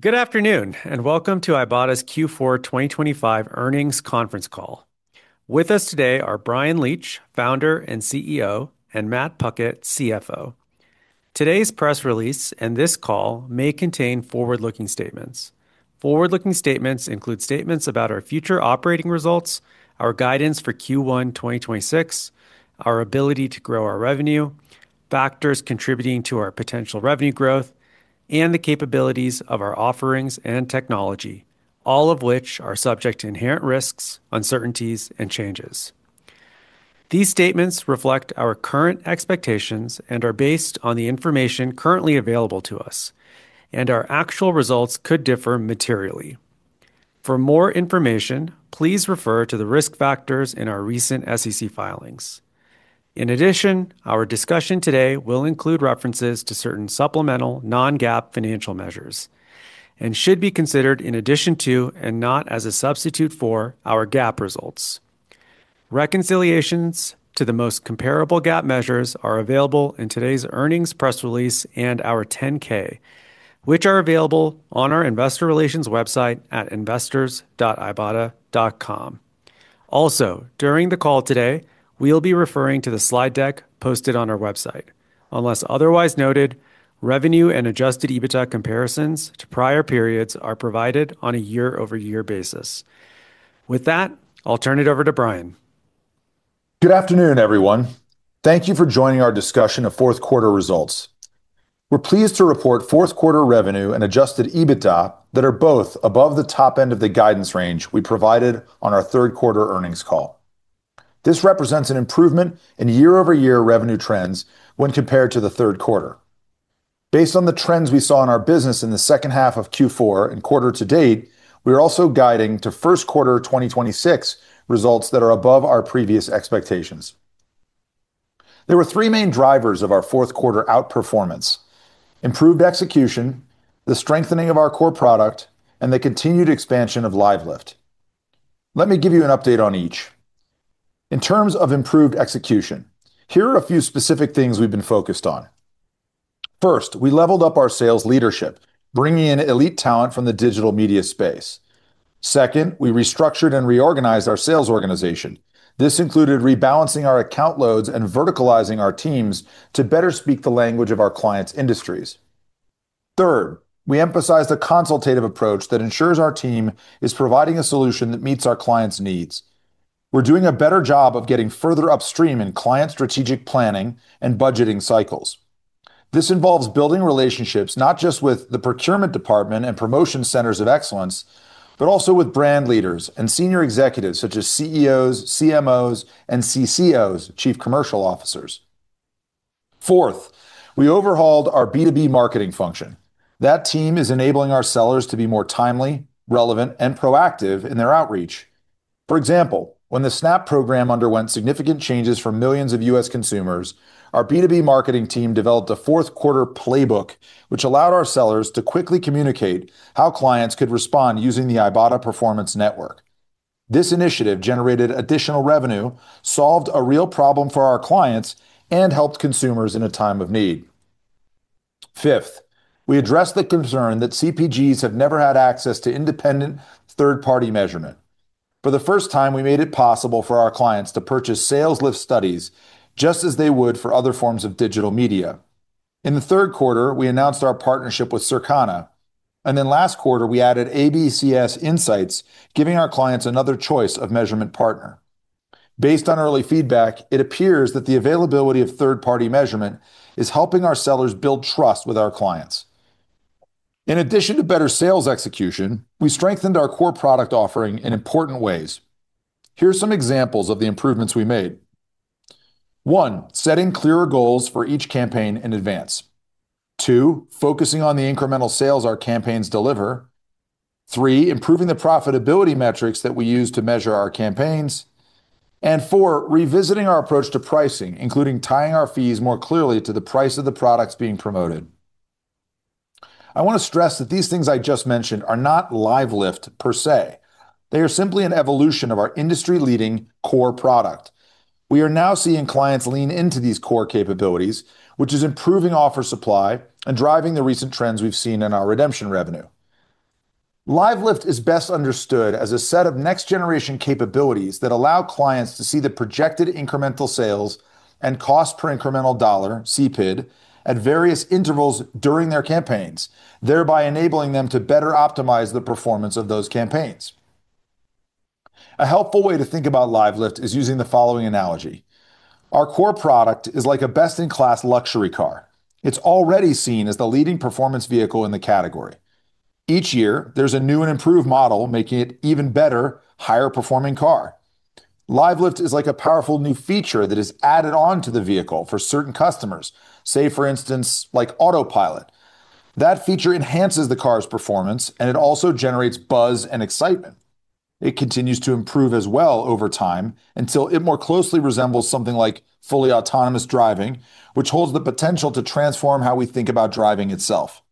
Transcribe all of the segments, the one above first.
Good afternoon, welcome to Ibotta's Q4 2025 earnings conference call. With us today are Bryan Leach, founder and CEO, and Matt Puckett, CFO. Today's press release and this call may contain forward-looking statements. Forward-looking statements include statements about our future operating results, our guidance for Q1 2026, our ability to grow our revenue, factors contributing to our potential revenue growth, and the capabilities of our offerings and technology, all of which are subject to inherent risks, uncertainties, and changes. These statements reflect our current expectations and are based on the information currently available to us. Our actual results could differ materially. For more information, please refer to the risk factors in our recent SEC filings. In addition, our discussion today will include references to certain supplemental non-GAAP financial measures and should be considered in addition to, and not as a substitute for, our GAAP results. Reconciliations to the most comparable GAAP measures are available in today's earnings press release and our 10-K, which are available on our investor relations website at investors.ibotta.com. During the call today, we'll be referring to the slide deck posted on our website. Unless otherwise noted, revenue and Adjusted EBITDA comparisons to prior periods are provided on a year-over-year basis. With that, I'll turn it over to Bryan. Good afternoon, everyone. Thank you for joining our discussion of fourth quarter results. We're pleased to report fourth quarter revenue and Adjusted EBITDA that are both above the top end of the guidance range we provided on our third quarter earnings call. This represents an improvement in year-over-year revenue trends when compared to the third quarter. Based on the trends we saw in our business in the second half of Q4 and quarter to date, we are also guiding to first quarter 2026 results that are above our previous expectations. There were three main drivers of our fourth quarter outperformance: improved execution, the strengthening of our core product, and the continued expansion of Live Lift. Let me give you an update on each. In terms of improved execution, here are a few specific things we've been focused on. First, we leveled up our sales leadership, bringing in elite talent from the digital media space. Second, we restructured and reorganized our sales organization. This included rebalancing our account loads and verticalizing our teams to better speak the language of our clients' industries. Third, we emphasized a consultative approach that ensures our team is providing a solution that meets our clients' needs. We're doing a better job of getting further upstream in client strategic planning and budgeting cycles. This involves building relationships not just with the procurement department and promotion centers of excellence, but also with brand leaders and senior executives such as CEOs, CMOs, and CCOs, chief commercial officers. Fourth, we overhauled our B2B marketing function. That team is enabling our sellers to be more timely, relevant, and proactive in their outreach. For example, when the SNAP program underwent significant changes for millions of U.S. consumers, our B2B marketing team developed a fourth quarter playbook, which allowed our sellers to quickly communicate how clients could respond using the Ibotta Performance Network. This initiative generated additional revenue, solved a real problem for our clients, and helped consumers in a time of need. Fifth, we addressed the concern that CPGs have never had access to independent third-party measurement. For the first time, we made it possible for our clients to purchase sales lift studies just as they would for other forms of digital media. In the third quarter, we announced our partnership with Circana. Last quarter, we added NCSolutions, giving our clients another choice of measurement partner. Based on early feedback, it appears that the availability of third-party measurement is helping our sellers build trust with our clients. In addition to better sales execution, we strengthened our core product offering in important ways. Here are some examples of the improvements we made. One, setting clearer goals for each campaign in advance. Two, focusing on the incremental sales our campaigns deliver. Three, improving the profitability metrics that we use to measure our campaigns. Four, revisiting our approach to pricing, including tying our fees more clearly to the price of the products being promoted. I want to stress that these things I just mentioned are not Live Lift per se. They are simply an evolution of our industry-leading core product. We are now seeing clients lean into these core capabilities, which is improving offer supply and driving the recent trends we've seen in our redemption revenue. Live Lift is best understood as a set of next-generation capabilities that allow clients to see the projected incremental sales and cost per incremental dollar, CPID, at various intervals during their campaigns, thereby enabling them to better optimize the performance of those campaigns. A helpful way to think about Live Lift is using the following analogy. Our core product is like a best-in-class luxury car. It's already seen as the leading performance vehicle in the category. Each year, there's a new and improved model, making it even better, higher-performing car. Live Lift is like a powerful new feature that is added on to the vehicle for certain customers, say, for instance, like autopilot. That feature enhances the car's performance, and it also generates buzz and excitement. It continues to improve as well over time until it more closely resembles something like fully autonomous driving, which holds the potential to transform how we think about driving itself.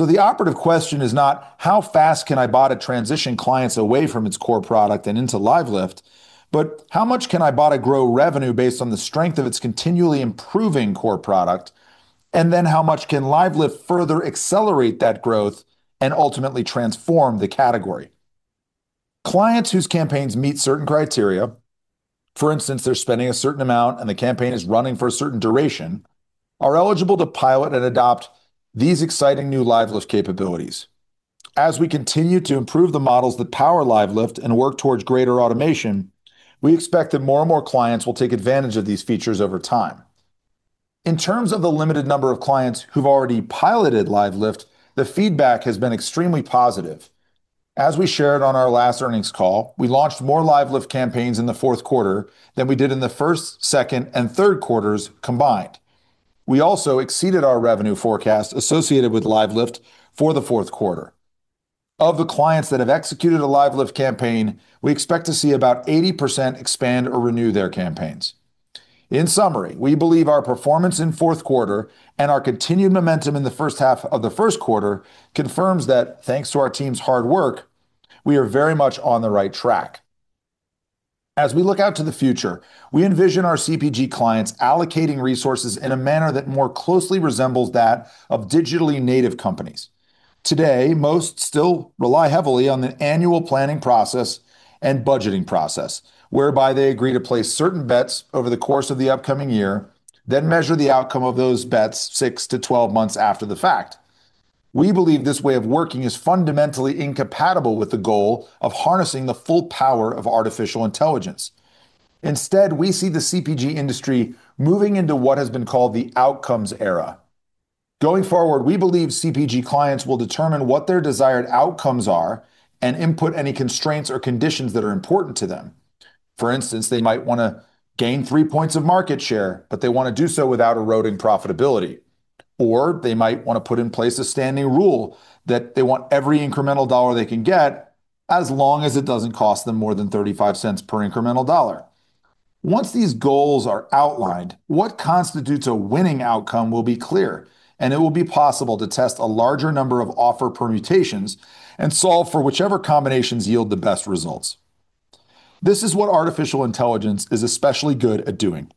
The operative question is not how fast can Ibotta transition clients away from its core product and into Live Lift, but how much can Ibotta grow revenue based on the strength of its continually improving core product, and then how much can Live Lift further accelerate that growth and ultimately transform the category? clients whose campaigns meet certain criteria, for instance, they're spending a certain amount and the campaign is running for a certain duration, are eligible to pilot and adopt these exciting new Live Lift capabilities. As we continue to improve the models that power Live Lift and work towards greater automation, we expect that more and more clients will take advantage of these features over time. In terms of the limited number of clients who've already piloted Live Lift, the feedback has been extremely positive. As we shared on our last earnings call, we launched more Live Lift campaigns in the fourth quarter than we did in the first, second, and third quarters combined. We also exceeded our revenue forecast associated with Live Lift for the fourth quarter. Of the clients that have executed a Live Lift campaign, we expect to see about 80% expand or renew their campaigns. In summary, we believe our performance in fourth quarter and our continued momentum in the first half of the first quarter confirms that, thanks to our team's hard work, we are very much on the right track. As we look out to the future, we envision our CPG clients allocating resources in a manner that more closely resembles that of digitally native companies. Today, most still rely heavily on the annual planning process and budgeting process, whereby they agree to place certain bets over the course of the upcoming year, then measure the outcome of those bets six to 12 months after the fact. We believe this way of working is fundamentally incompatible with the goal of harnessing the full power of artificial intelligence. Instead, we see the CPG industry moving into what has been called the Outcomes Era. Going forward, we believe CPG clients will determine what their desired outcomes are and input any constraints or conditions that are important to them. For instance, they might wanna gain three points of market share, but they want to do so without eroding profitability, or they might want to put in place a standing rule that they want every incremental dollar they can get, as long as it doesn't cost them more than $0.35 per incremental dollar. Once these goals are outlined, what constitutes a winning outcome will be clear, and it will be possible to test a larger number of offer permutations and solve for whichever combinations yield the best results. This is what Artificial Intelligence is especially good at doing.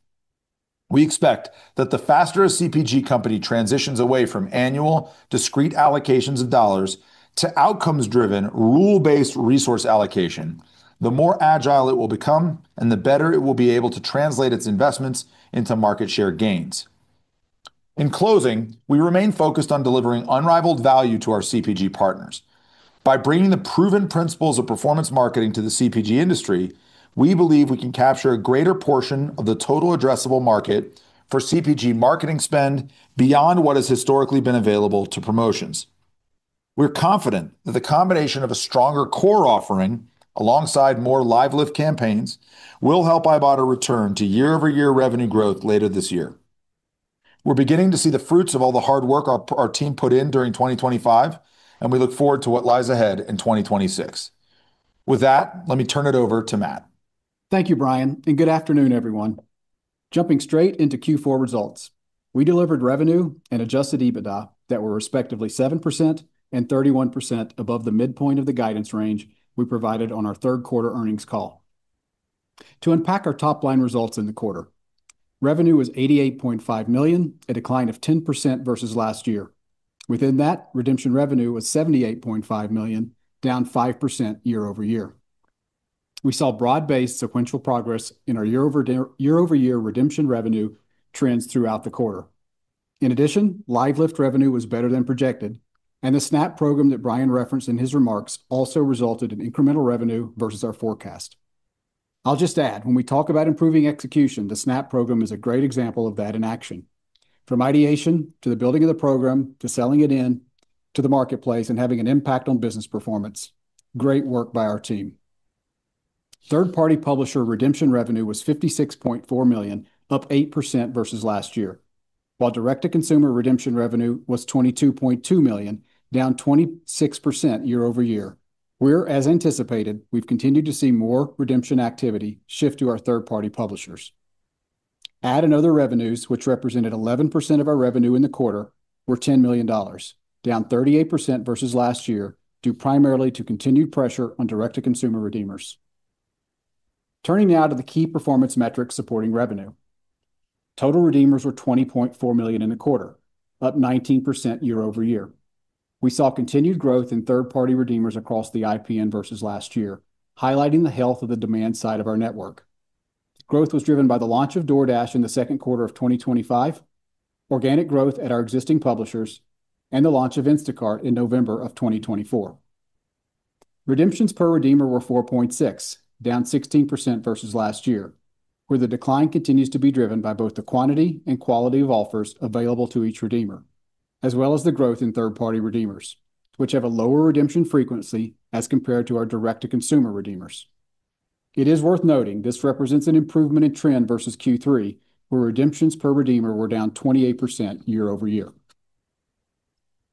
We expect that the faster a CPG company transitions away from annual discrete allocations of dollars to outcomes-driven, rule-based resource allocation, the more agile it will become and the better it will be able to translate its investments into market share gains. In closing, we remain focused on delivering unrivaled value to our CPG partners. By bringing the proven principles of performance marketing to the CPG industry, we believe we can capture a greater portion of the total addressable market for CPG marketing spend beyond what has historically been available to promotions. We're confident that the combination of a stronger core offering alongside more Live Lift campaigns will help Ibotta return to year-over-year revenue growth later this year. We're beginning to see the fruits of all the hard work our team put in during 2025. We look forward to what lies ahead in 2026. With that, let me turn it over to Matt. Thank you, Bryan, and good afternoon, everyone. Jumping straight into Q4 results, we delivered revenue and Adjusted EBITDA that were respectively 7% and 31% above the midpoint of the guidance range we provided on our third quarter earnings call. To unpack our top-line results in the quarter, revenue was $88.5 million, a decline of 10% versus last year. Within that, redemption revenue was $78.5 million, down 5% year-over-year. We saw broad-based sequential progress in our year-over-year redemption revenue trends throughout the quarter. In addition, Live Lift revenue was better than projected, and the SNAP program that Bryan referenced in his remarks also resulted in incremental revenue versus our forecast. I'll just add, when we talk about improving execution, the SNAP program is a great example of that in action. From ideation to the building of the program, to selling it in to the marketplace and having an impact on business performance, great work by our team. Third-party publisher redemption revenue was $56.4 million, up 8% versus last year, while direct-to-consumer redemption revenue was $22.2 million, down 26% year-over-year, where, as anticipated, we've continued to see more redemption activity shift to our third-party publishers. Ad and other revenues, which represented 11% of our revenue in the quarter, were $10 million, down 38% versus last year, due primarily to continued pressure on direct-to-consumer redeemers. Turning now to the key performance metrics supporting revenue. Total redeemers were 20.4 million in the quarter, up 19% year-over-year. We saw continued growth in third-party redeemers across the IPN versus last year, highlighting the health of the demand side of our network. Growth was driven by the launch of DoorDash in the second quarter of 2025, organic growth at our existing publishers, and the launch of Instacart in November of 2024. Redemptions per redeemer were 4.6, down 16% versus last year, where the decline continues to be driven by both the quantity and quality of offers available to each redeemer, as well as the growth in third-party redeemers, which have a lower redemption frequency as compared to our direct-to-consumer redeemers. It is worth noting this represents an improvement in trend versus Q3, where redemptions per redeemer were down 28% year-over-year.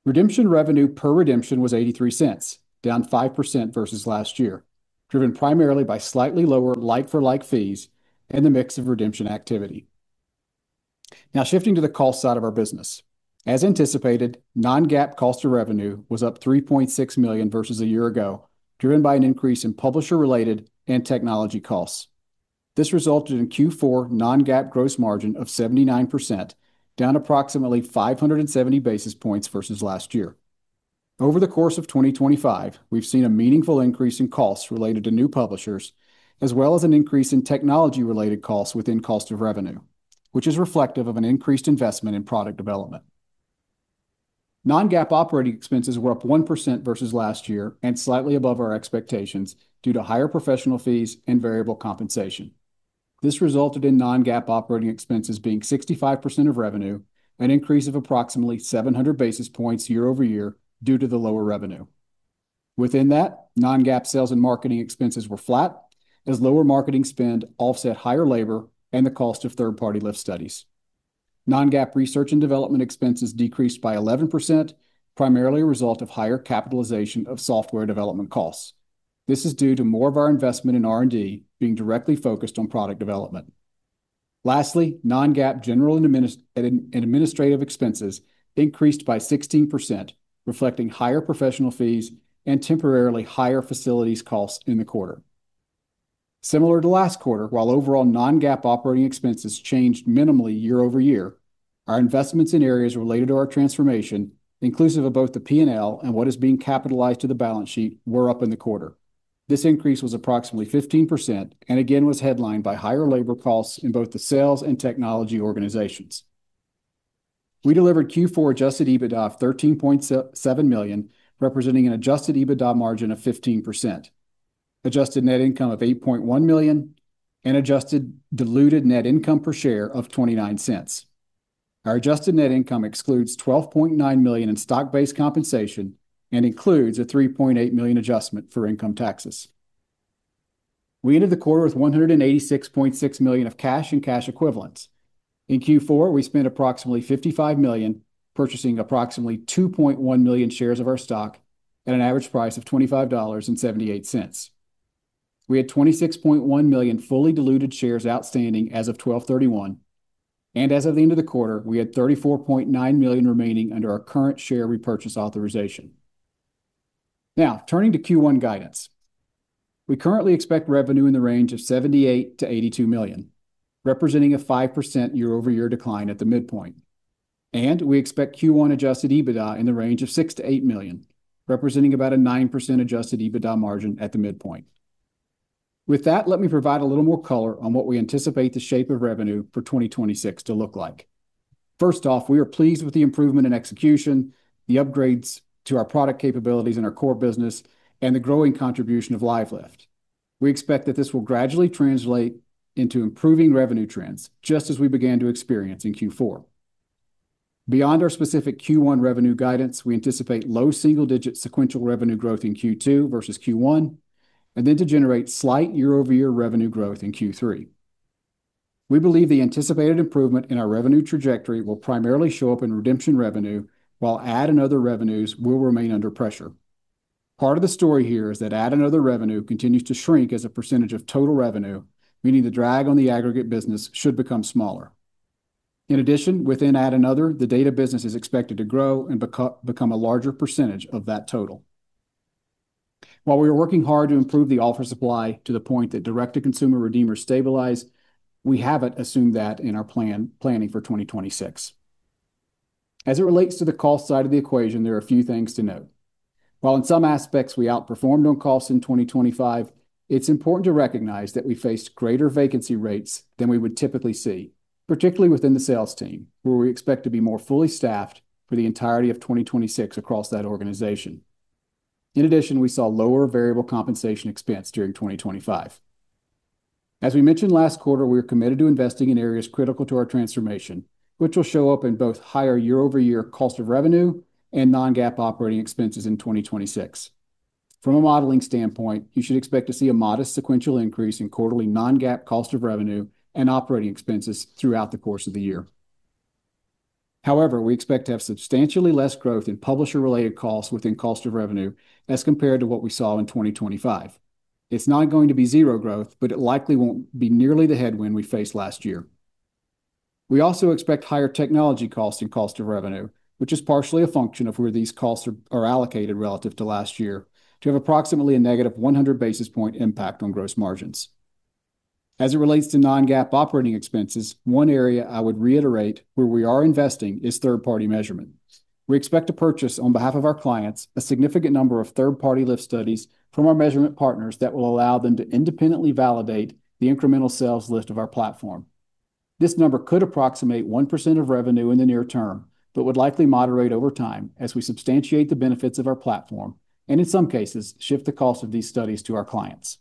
Redemption revenue per redemption was $0.83, down 5% versus last year, driven primarily by slightly lower like-for-like fees and the mix of redemption activity. Now, shifting to the cost side of our business. As anticipated, non-GAAP cost of revenue was up $3.6 million versus a year ago, driven by an increase in publisher-related and technology costs. This resulted in Q4 non-GAAP gross margin of 79%, down approximately 570 basis points versus last year. Over the course of 2025, we've seen a meaningful increase in costs related to new publishers, as well as an increase in technology-related costs within cost of revenue, which is reflective of an increased investment in product development. Non-GAAP operating expenses were up 1% versus last year and slightly above our expectations due to higher professional fees and variable compensation. This resulted in non-GAAP operating expenses being 65% of revenue, an increase of approximately 700 basis points year-over-year due to the lower revenue. Within that, non-GAAP sales and marketing expenses were flat, as lower marketing spend offset higher labor and the cost of third-party lift studies. Non-GAAP Research and Development expenses decreased by 11%, primarily a result of higher capitalization of software development costs. This is due to more of our investment in R&D being directly focused on product development. Lastly, non-GAAP general and administrative expenses increased by 16%, reflecting higher professional fees and temporarily higher facilities costs in the quarter. Similar to last quarter, while overall non-GAAP operating expenses changed minimally year-over-year, our investments in areas related to our transformation, inclusive of both the P&L and what is being capitalized to the balance sheet, were up in the quarter. This increase was approximately 15%. Again, was headlined by higher labor costs in both the sales and technology organizations. We delivered Q4 Adjusted EBITDA of $13.7 million, representing an Adjusted EBITDA margin of 15%, adjusted net income of $8.1 million, and adjusted diluted net income per share of $0.29. Our adjusted net income excludes $12.9 million in stock-based compensation and includes a $3.8 million adjustment for income taxes. We ended the quarter with $186.6 million of cash and cash equivalents. In Q4, we spent approximately $55 million, purchasing approximately 2.1 million shares of our stock at an average price of $25.78. We had 26.1 million fully diluted shares outstanding as of 12/31, and as of the end of the quarter, we had $34.9 million remaining under our current share repurchase authorization. Now, turning to Q1 guidance. We currently expect revenue in the range of $78 million-$82 million, representing a 5% year-over-year decline at the midpoint. We expect Q1 Adjusted EBITDA in the range of $6 million-$8 million, representing about a 9% Adjusted EBITDA margin at the midpoint. With that, let me provide a little more color on what we anticipate the shape of revenue for 2026 to look like. First off, we are pleased with the improvement in execution, the upgrades to our product capabilities in our core business, and the growing contribution of Live Lift. We expect that this will gradually translate into improving revenue trends, just as we began to experience in Q4. Beyond our specific Q1 revenue guidance, we anticipate low single-digit sequential revenue growth in Q2 versus Q1, then to generate slight year-over-year revenue growth in Q3. We believe the anticipated improvement in our revenue trajectory will primarily show up in redemption revenue, while ad and other revenues will remain under pressure. Part of the story here is that ad and other revenue continues to shrink as a % of total revenue, meaning the drag on the aggregate business should become smaller. Within ad and other, the data business is expected to grow and become a larger % of that total. While we are working hard to improve the offer supply to the point that direct-to-consumer redeemers stabilize, we haven't assumed that in our planning for 2026. As it relates to the cost side of the equation, there are a few things to note. While in some aspects we outperformed on costs in 2025, it's important to recognize that we faced greater vacancy rates than we would typically see, particularly within the sales team, where we expect to be more fully staffed for the entirety of 2026 across that organization. In addition, we saw lower variable compensation expense during 2025. As we mentioned last quarter, we are committed to investing in areas critical to our transformation, which will show up in both higher year-over-year cost of revenue and non-GAAP operating expenses in 2026. From a modeling standpoint, you should expect to see a modest sequential increase in quarterly non-GAAP cost of revenue and operating expenses throughout the course of the year. We expect to have substantially less growth in publisher-related costs within cost of revenue as compared to what we saw in 2025. It's not going to be zero growth, it likely won't be nearly the headwind we faced last year. We also expect higher technology costs and cost of revenue, which is partially a function of where these costs are allocated relative to last year, to have approximately a negative 100 basis point impact on gross margins. As it relates to non-GAAP operating expenses, one area I would reiterate where we are investing is third-party measurement. We expect to purchase, on behalf of our clients, a significant number of third-party lift studies from our measurement partners that will allow them to independently validate the incremental sales lift of our platform. This number could approximate 1% of revenue in the near term, but would likely moderate over time as we substantiate the benefits of our platform, and in some cases, shift the cost of these studies to our clients.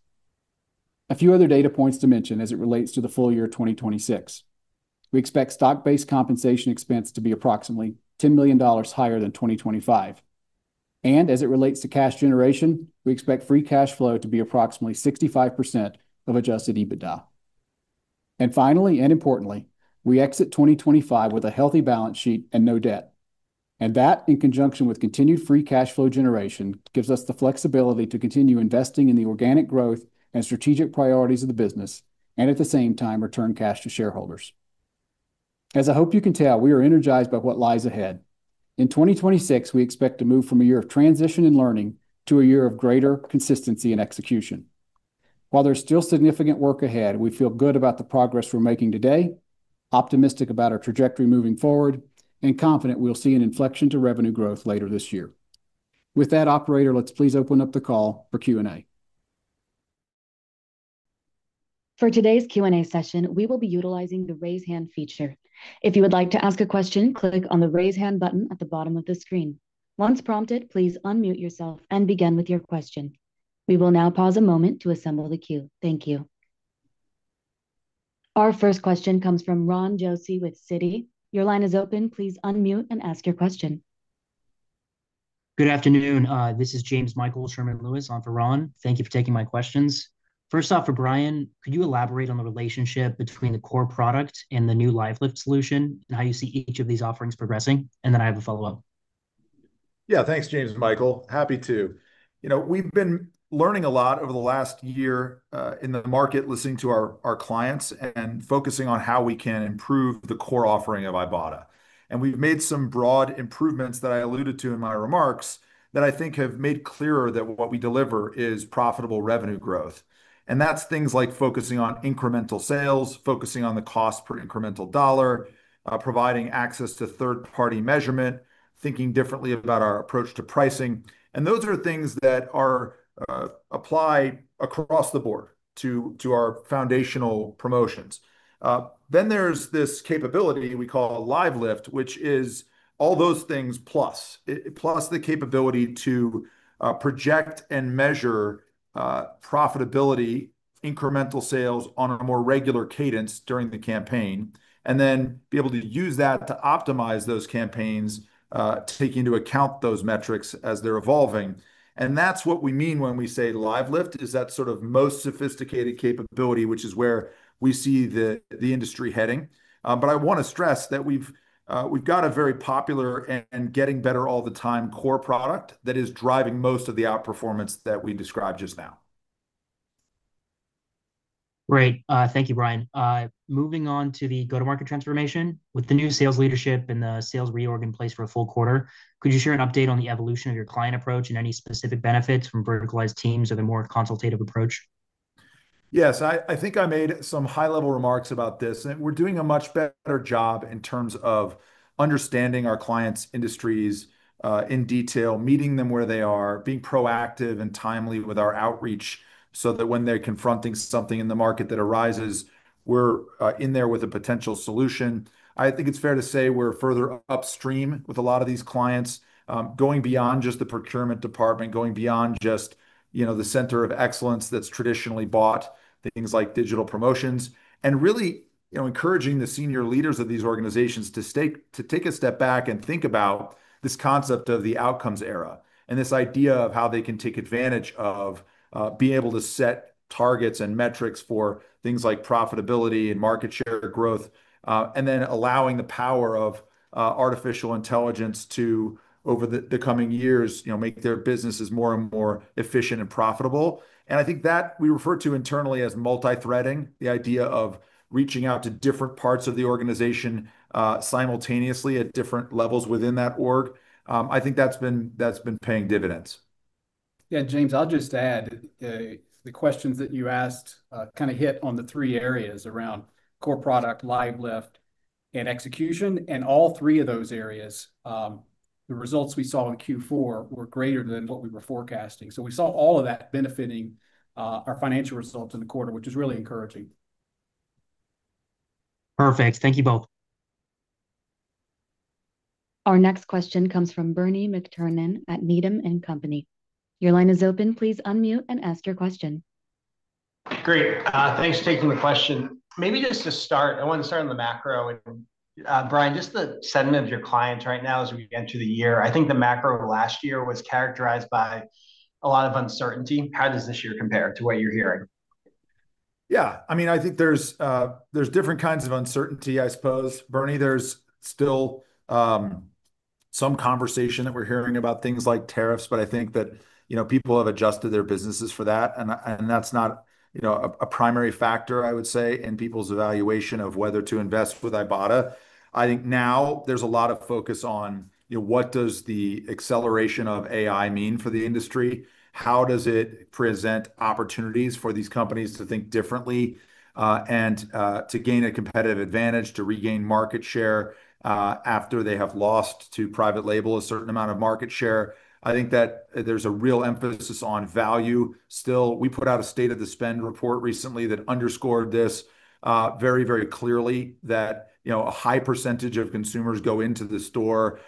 A few other data points to mention as it relates to the full year 2026: We expect stock-based compensation expense to be approximately $10 million higher than 2025. As it relates to cash generation, we expect free cash flow to be approximately 65% of Adjusted EBITDA. Finally and importantly, we exit 2025 with a healthy balance sheet and no debt, and that, in conjunction with continued free cash flow generation, gives us the flexibility to continue investing in the organic growth and strategic priorities of the business and at the same time, return cash to shareholders. As I hope you can tell, we are energized by what lies ahead. In 2026, we expect to move from a year of transition and learning to a year of greater consistency and execution. While there's still significant work ahead, we feel good about the progress we're making today, optimistic about our trajectory moving forward, and confident we'll see an inflection to revenue growth later this year. With that, operator, let's please open up the call for Q&A. For today's Q&A session, we will be utilizing the Raise Hand feature. If you would like to ask a question, click on the Raise Hand button at the bottom of the screen. Once prompted, please unmute yourself and begin with your question. We will now pause a moment to assemble the queue. Thank you. Our first question comes from Ron Josey with Citi. Your line is open. Please unmute and ask your question. Good afternoon. This is Jamesmichael Sherman-Lewis on for Ron. Thank you for taking my questions. First off, for Bryan, could you elaborate on the relationship between the core product and the new Live Lift solution, and how you see each of these offerings progressing? I have a follow-up. Yeah, thanks, James Michael. Happy to. You know, we've been learning a lot over the last year, in the market, listening to our clients and focusing on how we can improve the core offering of Ibotta. We've made some broad improvements that I alluded to in my remarks that I think have made clearer that what we deliver is profitable revenue growth. That's things like focusing on incremental sales, focusing on the cost per incremental dollar, providing access to third-party measurement, thinking differently about our approach to pricing, and those are things that are applied across the board to our foundational promotions. There's this capability we call Live Lift, which is all those things plus the capability to project and measure profitability, incremental sales on a more regular cadence during the campaign, and then be able to use that to optimize those campaigns, taking into account those metrics as they're evolving. That's what we mean when we say Live Lift, is that sort of most sophisticated capability, which is where we see the industry heading. I wanna stress that we've got a very popular and getting better all the time core product that is driving most of the outperformance that we described just now. Great. Thank you, Bryan. Moving on to the go-to-market transformation. With the new sales leadership and the sales reorg in place for a full quarter, could you share an update on the evolution of your client approach and any specific benefits from verticalized teams or the more consultative approach? Yes, I think I made some high-level remarks about this, and we're doing a much better job in terms of understanding our clients' industries, in detail, meeting them where they are, being proactive and timely with our outreach, so that when they're confronting something in the market that arises, we're in there with a potential solution. I think it's fair to say we're further upstream with a lot of these clients, going beyond just the procurement department, going beyond just, you know, the center of excellence that's traditionally bought things like digital promotions, and really, you know, encouraging the senior leaders of these organizations to take a step back and think about this concept of the Outcomes Era, and this idea of how they can take advantage of being able to set targets and metrics for things like profitability and market share growth, and then allowing the power of artificial intelligence to, over the coming years, you know, make their businesses more and more efficient and profitable. I think that we refer to internally as multithreading, the idea of reaching out to different parts of the organization, simultaneously at different levels within that org. I think that's been paying dividends. James, I'll just add, the questions that you asked, kind of hit on the three areas around core product, Live Lift, and execution, and all 3 of those areas, the results we saw in Q4 were greater than what we were forecasting. We saw all of that benefiting, our financial results in the quarter, which is really encouraging. Perfect. Thank you both. Our next question comes from Bernie McTernan at Needham & Company. Your line is open. Please unmute and ask your question. Great. Thanks for taking the question. Maybe just to start, I want to start on the macro, and Bryan, just the sentiment of your clients right now as we get into the year. I think the macro last year was characterized by a lot of uncertainty. How does this year compare to what you're hearing? Yeah, I mean, I think there's different kinds of uncertainty, I suppose, Bernie. There's still some conversation that we're hearing about things like tariffs, but I think that, you know, people have adjusted their businesses for that, and that's not, you know, a primary factor, I would say, in people's evaluation of whether to invest with Ibotta. I think now there's a lot of focus on, you know, what does the acceleration of AI mean for the industry? How does it present opportunities for these companies to think differently, and to gain a competitive advantage, to regain market share, after they have lost to private label a certain amount of market share? I think that there's a real emphasis on value still. We put out a State of the Spend report recently that underscored this, very, very clearly, that, you know, a high percentage of consumers go into the store,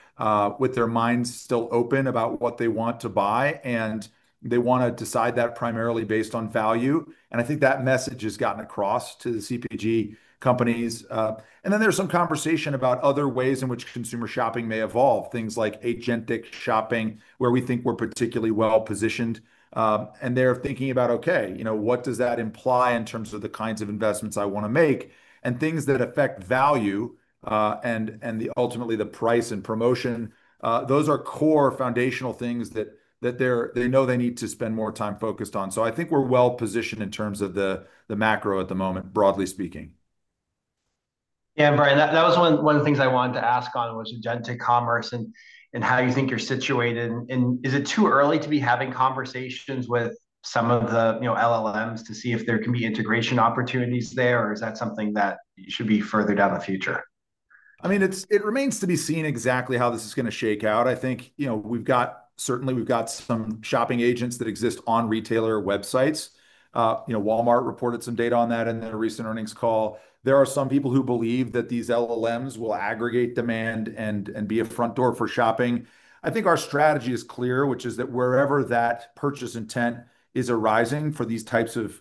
with their minds still open about what they want to buy, and they wanna decide that primarily based on value, and I think that message has gotten across to the CPG companies. Then there's some conversation about other ways in which consumer shopping may evolve, things like agentic shopping, where we think we're particularly well positioned. They're thinking about, "Okay, you know, what does that imply in terms of the kinds of investments I wanna make?" Things that affect value, ultimately, the price and promotion, those are core foundational things that they know they need to spend more time focused on. I think we're well positioned in terms of the macro at the moment, broadly speaking. Yeah, Bryan, that was one of the things I wanted to ask on, was agentic commerce and how you think you're situated. Is it too early to be having conversations with some of the, you know, LLMs to see if there can be integration opportunities there? Is that something that should be further down the future? I mean, it remains to be seen exactly how this is gonna shake out. I think, you know, Certainly, we've got some shopping agents that exist on retailer websites. You know, Walmart reported some data on that in their recent earnings call. There are some people who believe that these LLMs will aggregate demand and be a front door for shopping. I think our strategy is clear, which is that wherever that purchase intent is arising for these types of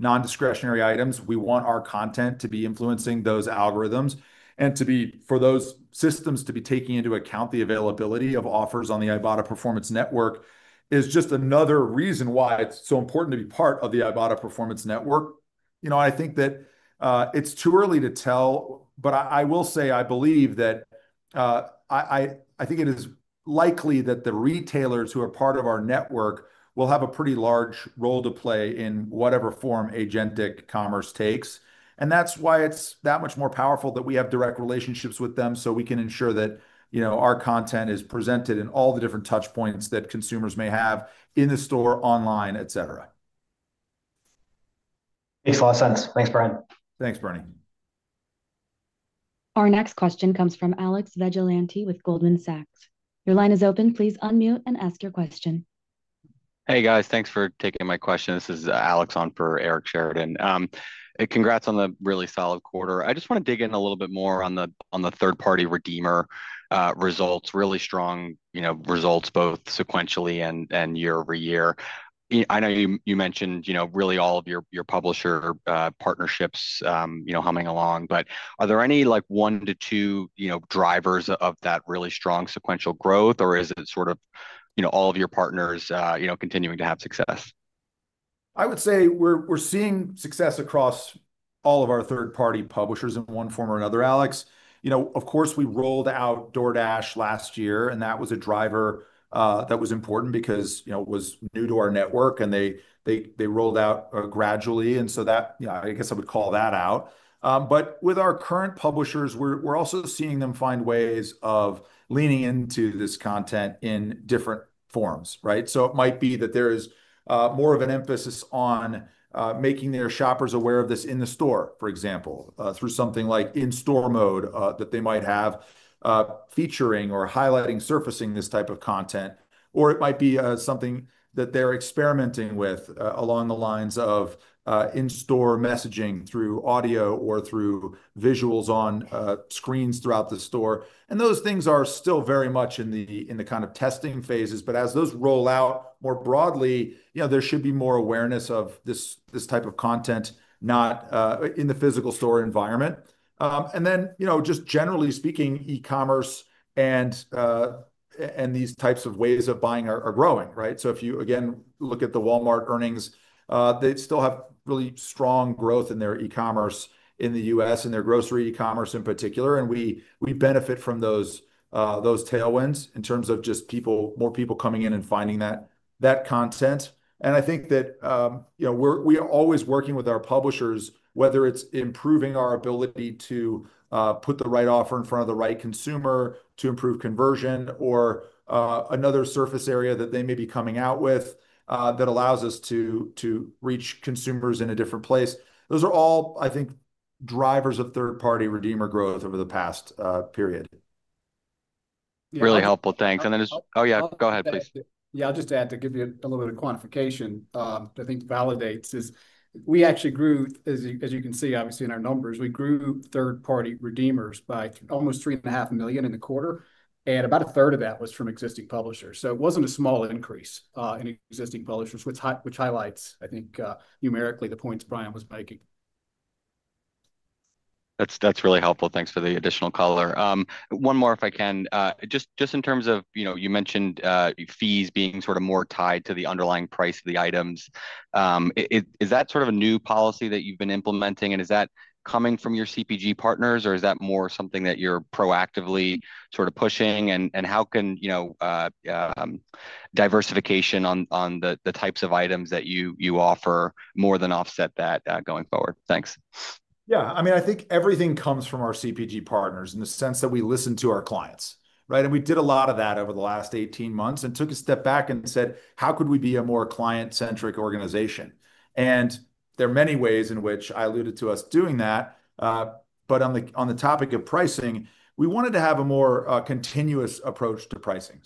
non-discretionary items, we want our content to be influencing those algorithms, and for those systems to be taking into account the availability of offers on the Ibotta Performance Network, is just another reason why it's so important to be part of the Ibotta Performance Network. You know, I think that, it's too early to tell, but I will say I believe that, I think it is likely that the retailers who are part of our network will have a pretty large role to play in whatever form agentic commerce takes. That's why it's that much more powerful that we have direct relationships with them, so we can ensure that, you know, our content is presented in all the different touch points that consumers may have in the store, online, et cetera. Makes a lot of sense. Thanks, Bryan. Thanks, Bernie. Our next question comes from Alexander Vizgaitis with Goldman Sachs. Your line is open. Please unmute and ask your question. Hey, guys. Thanks for taking my question. This is Alex on for Eric Sheridan. Congrats on the really solid quarter. I just want to dig in a little bit more on the, on the third-party redeemer results. Really strong, you know, results, both sequentially and year over year. I know you mentioned, you know, really all of your publisher partnerships, you know, humming along. Are there any, like, one to two, you know, drivers of that really strong sequential growth, or is it sort of, you know, all of your partners, you know, continuing to have success? I would say we're seeing success across all of our third-party publishers in one form or another, Alex. Of course, we rolled out DoorDash last year, that was a driver that was important because, you know, it was new to our network, and they rolled out gradually. Yeah, I guess I would call that out. With our current publishers, we're also seeing them find ways of leaning into this content in different forms, right? It might be that there is more of an emphasis on making their shoppers aware of this in the store, for example, through something like in-store mode that they might have featuring or highlighting, surfacing this type of content. It might be something that they're experimenting with along the lines of in-store messaging through audio or through visuals on screens throughout the store. Those things are still very much in the kind of testing phases. As those roll out more broadly, you know, there should be more awareness of this type of content, not in the physical store environment. Then, you know, just generally speaking, e-commerce and these types of ways of buying are growing, right? If you, again, look at the Walmart earnings, they still have really strong growth in their e-commerce in the U.S., in their grocery e-commerce in particular, and we benefit from those tailwinds in terms of just people, more people coming in and finding that content. I think that, you know, we are always working with our publishers, whether it's improving our ability to put the right offer in front of the right consumer to improve conversion, or another surface area that they may be coming out with that allows us to reach consumers in a different place. Those are all, I think, drivers of third-party redeemer growth over the past period. Really helpful. Thanks. Oh, yeah, go ahead, please. Yeah, I'll just add, to give you a little bit of quantification, I think validates is, we actually grew, as you, as you can see, obviously, in our numbers, we grew third-party redeemers by almost three and a half million in the quarter, and about a third of that was from existing publishers. It wasn't a small increase in existing publishers, which highlights, I think, numerically, the points Bryan was making. That's really helpful. Thanks for the additional color. One more, if I can. Just in terms of... You know, you mentioned fees being sort of more tied to the underlying price of the items. Is that sort of a new policy that you've been implementing, and is that coming from your CPG partners, or is that more something that you're proactively sort of pushing? How can, you know, diversification on the types of items that you offer more than offset that going forward? Thanks. Yeah, I mean, I think everything comes from our CPG partners in the sense that we listen to our clients, right? We did a lot of that over the last 18 months and took a step back and said: "How could we be a more client-centric organization?" There are many ways in which I alluded to us doing that, but on the topic of pricing, we wanted to have a more continuous approach to pricing.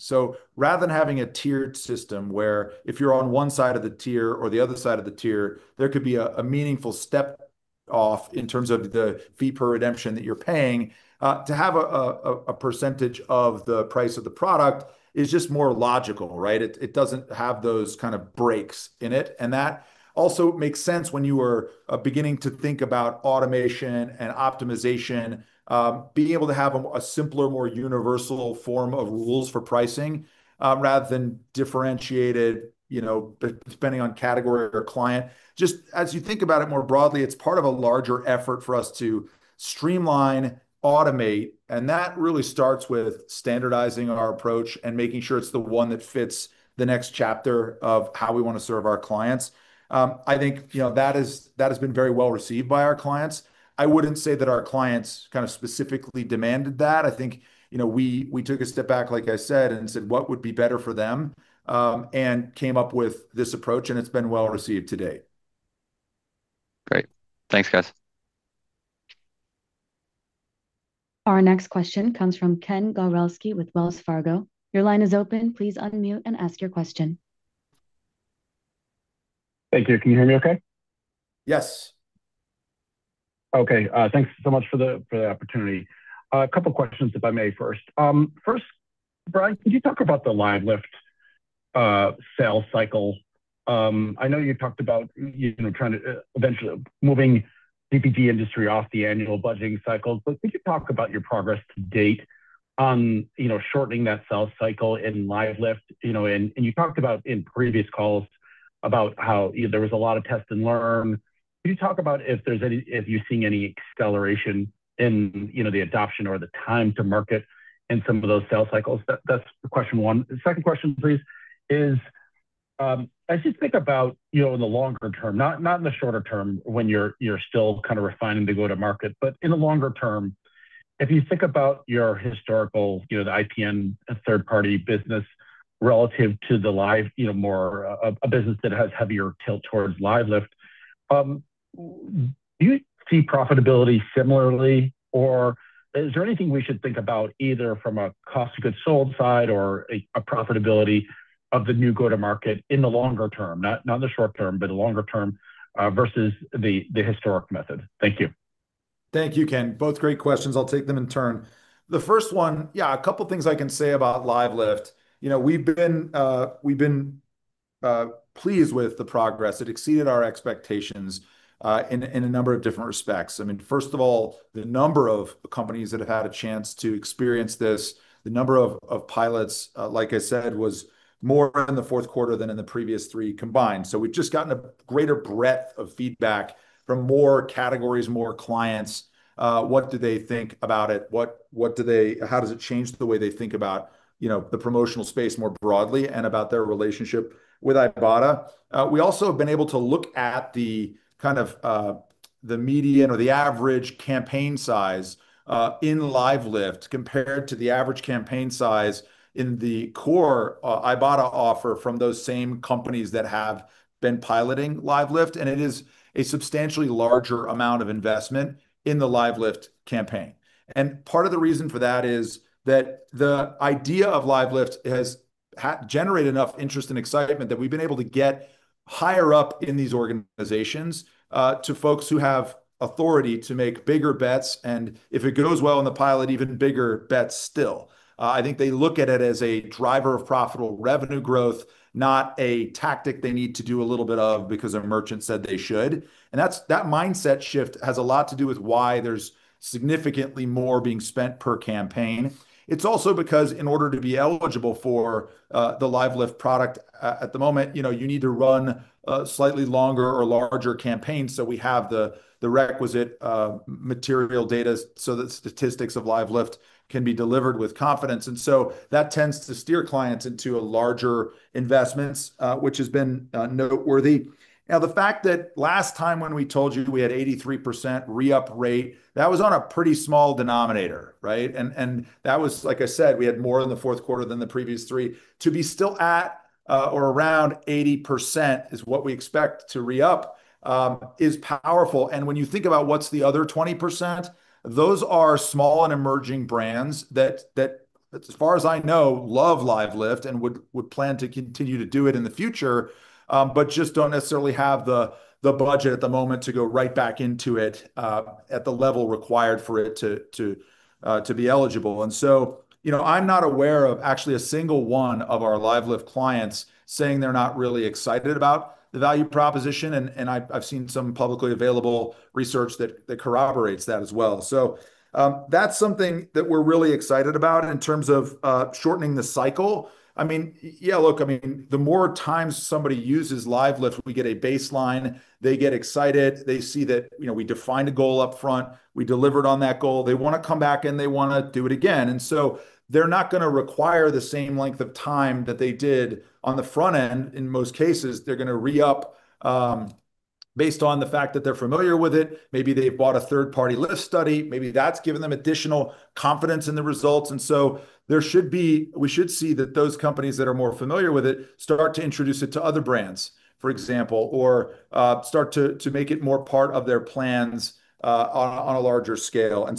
Rather than having a tiered system, where if you're on one side of the tier or the other side of the tier, there could be a meaningful step off in terms of the fee per redemption that you're paying, to have a percentage of the price of the product is just more logical, right? It doesn't have those kind of breaks in it. That also makes sense when you are beginning to think about automation and optimization, being able to have a simpler, more universal form of rules for pricing, rather than differentiated, you know, depending on category or client. Just as you think about it more broadly, it's part of a larger effort for us to streamline, automate, and that really starts with standardizing our approach and making sure it's the one that fits the next chapter of how we want to serve our clients. I think, you know, that has been very well-received by our clients. I wouldn't say that our clients kind of specifically demanded that. I think, you know, we took a step back, like I said, and said: "What would be better for them?" And came up with this approach, and it's been well-received to date. Great. Thanks, guys. Our next question comes from Ken Gawrelski with Wells Fargo. Your line is open. Please unmute and ask your question. Thank you. Can you hear me okay? Yes. Okay, thanks so much for the opportunity. A couple questions, if I may, first. First, Bryan, could you talk about the Live Lift sales cycle? I know you talked about, you know, trying to eventually moving CPG industry off the annual budgeting cycle, but could you talk about your progress to date on, you know, shortening that sales cycle in Live Lift, you know? You talked about in previous calls about how there was a lot of test and learn. Can you talk about if you're seeing any acceleration in, you know, the adoption or the time to market in some of those sales cycles? That's question one. The second question, please, is, as you think about, you know, in the longer term, not in the shorter term when you're still kind of refining the go-to-market, but in the longer term, if you think about your historical, you know, the IPN and third-party business relative to the live, a business that has heavier tilt towards Live Lift, do you see profitability similarly, or is there anything we should think about, either from a cost of goods sold side or a profitability of the new go-to-market in the longer term? Not in the short term, but the longer term, versus the historic method. Thank you. Thank you, Ken. Both great questions. I'll take them in turn. The first one, yeah, a couple of things I can say about Live Lift. You know, we've been pleased with the progress. It exceeded our expectations in a number of different respects. I mean, first of all, the number of companies that have had a chance to experience this, the number of pilots, like I said, was more in the fourth quarter than in the previous three combined. We've just gotten a greater breadth of feedback from more categories, more clients. What do they think about it? How does it change the way they think about, you know, the promotional space more broadly and about their relationship with Ibotta? We also have been able to look at the kind of, the median or the average campaign size in Live Lift compared to the average campaign size in the core Ibotta offer from those same companies that have been piloting Live Lift, it is a substantially larger amount of investment in the Live Lift campaign. Part of the reason for that is that the idea of Live Lift has generated enough interest and excitement that we've been able to get higher up in these organizations to folks who have authority to make bigger bets, if it goes well in the pilot, even bigger bets still. I think they look at it as a driver of profitable revenue growth, not a tactic they need to do a little bit of because a merchant said they should, and that's... That mindset shift has a lot to do with why there's significantly more being spent per campaign. It's also because in order to be eligible for the Live Lift product at the moment, you know, you need to run a slightly longer or larger campaign, so we have the requisite material data so that statistics of Live Lift can be delivered with confidence. That tends to steer clients into a larger investments, which has been noteworthy. The fact that last time when we told you we had 83% re-up rate, that was on a pretty small denominator, right? That was, like I said, we had more in the fourth quarter than the previous three. To be still at or around 80% is what we expect to re-up is powerful. When you think about what's the other 20%, those are small and emerging brands that, as far as I know, love Live Lift and would plan to continue to do it in the future, but just don't necessarily have the budget at the moment to go right back into it, at the level required for it to be eligible. You know, I'm not aware of actually a single one of our Live Lift clients saying they're not really excited about the value proposition, and I've seen some publicly available research that corroborates that as well. That's something that we're really excited about in terms of shortening the cycle. I mean, yeah, look, I mean, the more times somebody uses Live Lift, we get a baseline, they get excited. They see that, you know, we defined a goal upfront, we delivered on that goal. They wanna come back, and they wanna do it again. They're not gonna require the same length of time that they did on the front end. In most cases, they're gonna re-up, based on the fact that they're familiar with it. Maybe they bought a third-party list study. Maybe that's given them additional confidence in the results. We should see that those companies that are more familiar with it start to introduce it to other brands, for example, or, start to make it more part of their plans, on a, on a larger scale.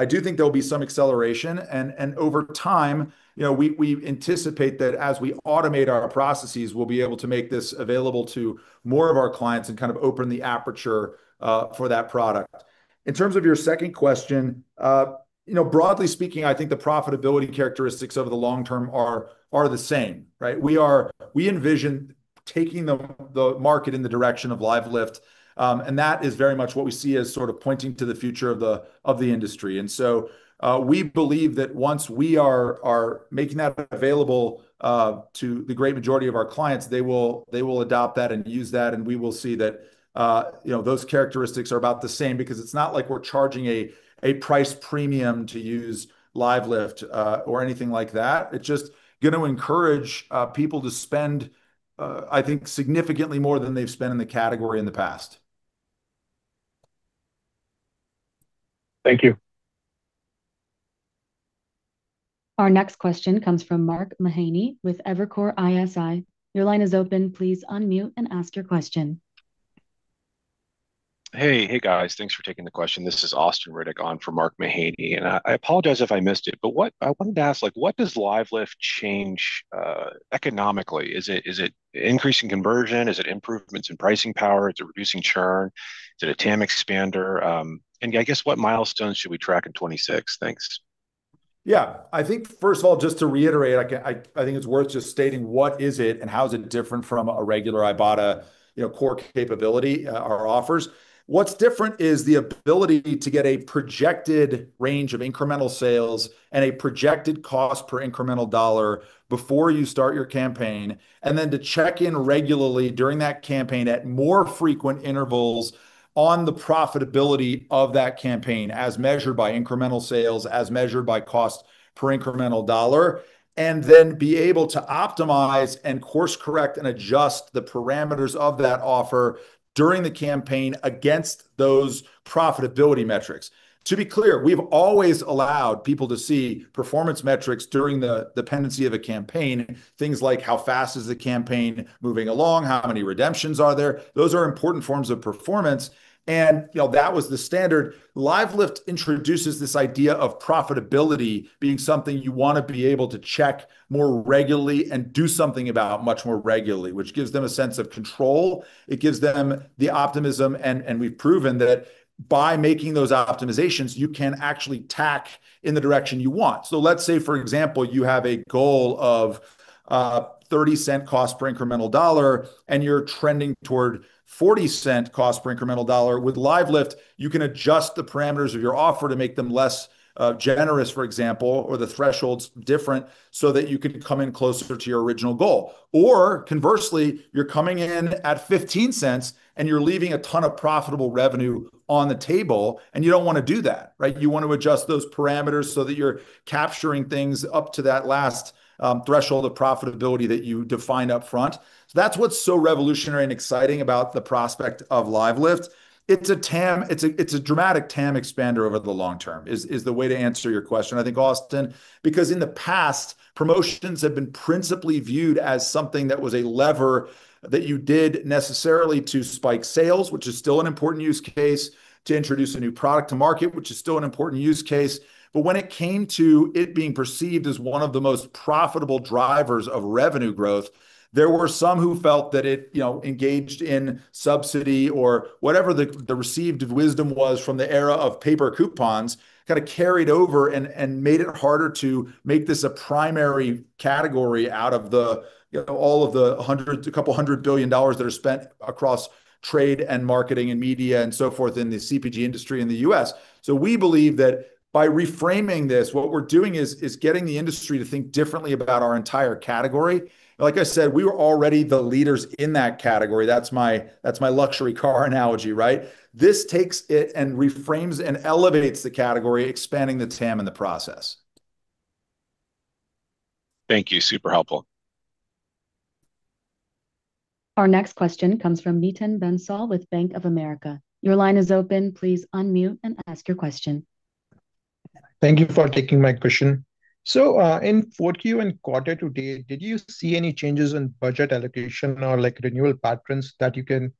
I do think there will be some acceleration, and over time, you know, we anticipate that as we automate our processes, we'll be able to make this available to more of our clients and kind of open the aperture for that product. In terms of your second question, you know, broadly speaking, I think the profitability characteristics over the long term are the same, right? We envision taking the market in the direction of Live Lift, and that is very much what we see as sort of pointing to the future of the industry. We believe that once we are making that available to the great majority of our clients, they will adopt that and use that, and we will see that, you know, those characteristics are about the same. It's not like we're charging a price premium to use Live Lift or anything like that. It's just gonna encourage people to spend, I think, significantly more than they've spent in the category in the past. Thank you. Our next question comes from Mark Mahaney with Evercore ISI. Your line is open. Please unmute and ask your question. Hey, hey, guys. Thanks for taking the question. This is Austin Satter on for Mark Mahaney. I apologize if I missed it, but I wanted to ask, like, what does Live Lift change economically? Is it increasing conversion? Is it improvements in pricing power? Is it reducing churn? Is it a TAM expander? I guess, what milestones should we track in 2026? Thanks. Yeah. I think first of all, just to reiterate, I think it's worth just stating what is it and how is it different from a regular Ibotta, you know, core capability or offers. What's different is the ability to get a projected range of incremental sales and a projected cost per incremental dollar before you start your campaign, then to check in regularly during that campaign at more frequent intervals on the profitability of that campaign, as measured by incremental sales, as measured by cost per incremental dollar. Then be able to optimize and course-correct and adjust the parameters of that offer during the campaign against those profitability metrics. To be clear, we've always allowed people to see performance metrics during the dependency of a campaign, things like: How fast is the campaign moving along? How many redemptions are there? Those are important forms of performance, and, you know, that was the standard. Live Lift introduces this idea of profitability being something you want to be able to check more regularly and do something about much more regularly, which gives them a sense of control. It gives them the optimism, and we've proven that by making those optimizations, you can actually tack in the direction you want. Let's say, for example, you have a goal of $0.30 cost per incremental dollar, and you're trending toward $0.40 cost per ncremental dollar. With Live Lift, you can adjust the parameters of your offer to make them less generous, for example, or the thresholds different so that you can come in closer to your original goal. Conversely, you're coming in at $0.15, and you're leaving a ton of profitable revenue on the table, and you don't want to do that, right? You want to adjust those parameters so that you're capturing things up to that last threshold of profitability that you defined upfront. That's what's so revolutionary and exciting about the prospect of Live Lift. It's a dramatic TAM expander over the long term, is the way to answer your question, I think, Austin, because in the past, promotions have been principally viewed as something that was a lever that you did necessarily to spike sales, which is still an important use case, to introduce a new product to market, which is still an important use case. When it came to it being perceived as one of the most profitable drivers of revenue growth, there were some who felt that it, you know, engaged in subsidy or whatever the received wisdom was from the era of paper coupons, kind of carried over and made it harder to make this a primary category out of the, you know, all of the $100 billion-$200 billion that are spent across trade and marketing and media and so forth in the CPG industry in the U.S. We believe that by reframing this, what we're doing is getting the industry to think differently about our entire category. Like I said, we were already the leaders in that category. That's my luxury car analogy, right? This takes it and reframes and elevates the category, expanding the TAM in the process. Thank you. Super helpful. Our next question comes from Nitin Bansal with Bank of America. Your line is open. Please unmute and ask your question. Thank you for taking my question. In 4Q and quarter to date, did you see any changes in budget allocation or, like, renewal patterns that you can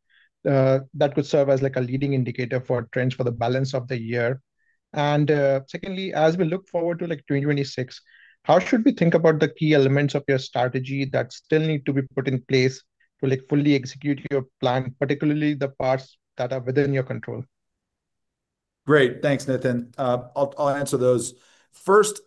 that could serve as, like, a leading indicator for trends for the balance of the year? Secondly, as we look forward to, like, 2026, how should we think about the key elements of your strategy that still need to be put in place to, like, fully execute your plan, particularly the parts that are within your control? Great. Thanks, Nitin. I'll answer those. First,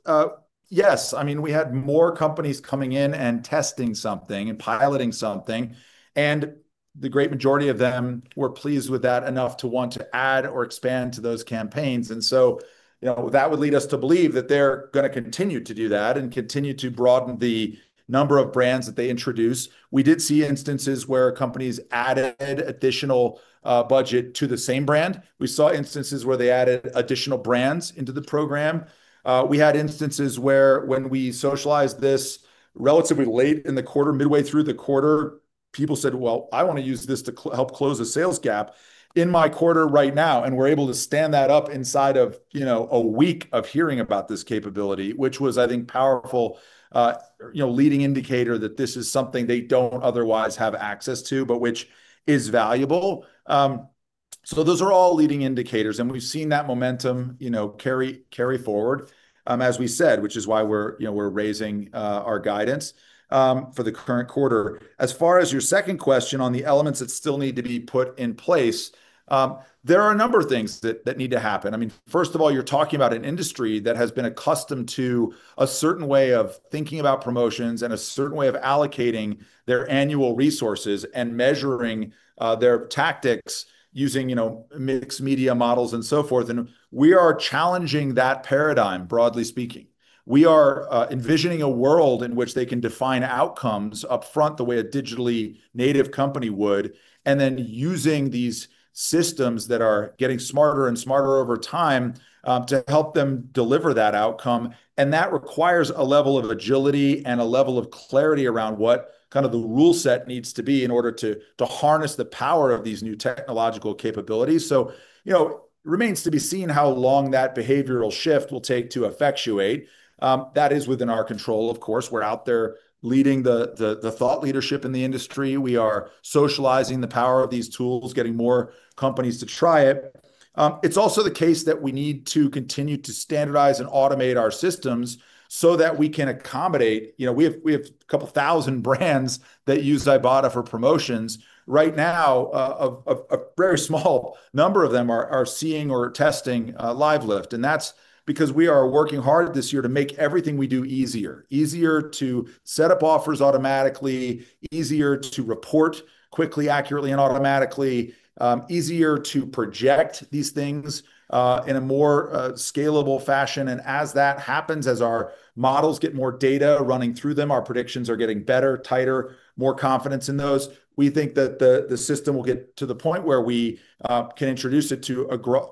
yes, I mean, we had more companies coming in and testing something and piloting something, the great majority of them were pleased with that enough to want to add or expand to those campaigns. You know, that would lead us to believe that they're gonna continue to do that and continue to broaden the number of brands that they introduce. We did see instances where companies added additional budget to the same brand. We saw instances where they added additional brands into the program. We had instances where when we socialized this relatively late in the quarter, midway through the quarter, people said, "Well, I want to use this to help close a sales gap in my quarter right now," and we're able to stand that up inside of, you know, a week of hearing about this capability, which was, I think, powerful, you know, leading indicator that this is something they don't otherwise have access to, but which is valuable. Those are all leading indicators, and we've seen that momentum, you know, carry forward, as we said, which is why we're, you know, we're raising our guidance for the current quarter. As far as your second question on the elements that still need to be put in place, there are a number of things that need to happen. I mean, first of all, you're talking about an industry that has been accustomed to a certain way of thinking about promotions and a certain way of allocating their annual resources and measuring their tactics using, you know, mixed media models and so forth, and we are challenging that paradigm, broadly speaking. We are envisioning a world in which they can define outcomes upfront, the way a digitally native company would, and then using these systems that are getting smarter and smarter over time to help them deliver that outcome. That requires a level of agility and a level of clarity around what kind of the rule set needs to be in order to harness the power of these new technological capabilities. You know, it remains to be seen how long that behavioral shift will take to effectuate. That is within our control, of course. We're out there leading the thought leadership in the industry. We are socializing the power of these tools, getting more companies to try it. It's also the case that we need to continue to standardize and automate our systems so that we can accommodate... You know, we have 2,000 brands that use Ibotta for promotions. Right now, a very small number of them are seeing or testing Live Lift, and that's because we are working hard this year to make everything we do easier. Easier to set up offers automatically, easier to report quickly, accurately, and automatically, easier to project these things in a more scalable fashion. As that happens, as our models get more data running through them, our predictions are getting better, tighter, more confidence in those. We think that the system will get to the point where we can introduce it to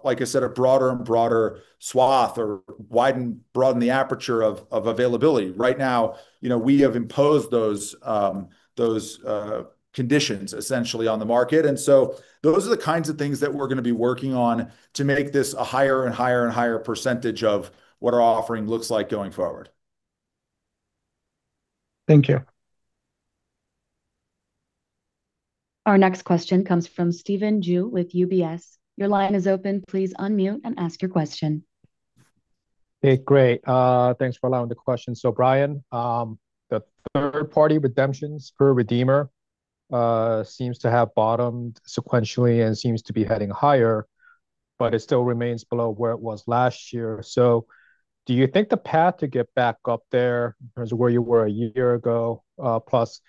like I said, a broader and broader swath or broaden the aperture of availability. Right now, you know, we have imposed those conditions essentially on the market. Those are the kinds of things that we're gonna be working on to make this a higher and higher and higher % of what our offering looks like going forward. Thank you. Our next question comes from Stephen Ju with UBS. Your line is open. Please unmute and ask your question. Hey, great. Thanks for allowing the question. Bryan, the third-party redemptions per redeemer seems to have bottomed sequentially and seems to be heading higher, but it still remains below where it was last year. Do you think the path to get back up there in terms of where you were one year ago, plus,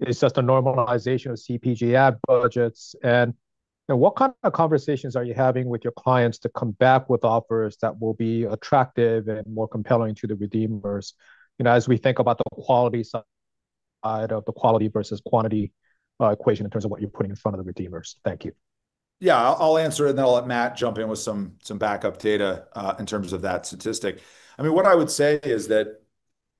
is just a normalization of CPG ad budgets? You know, what kind of conversations are you having with your clients to come back with offers that will be attractive and more compelling to the redeemers, you know, as we think about the quality side, the quality versus quantity equation in terms of what you're putting in front of the redeemers? Thank you. Yeah, I'll answer it, and then I'll let Matt jump in with some backup data in terms of that statistic. I mean, what I would say is that